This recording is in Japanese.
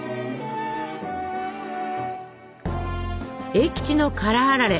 栄吉の辛あられ